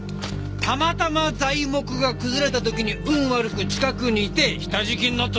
たまたま材木が崩れた時に運悪く近くにいて下敷きになっただけやろ。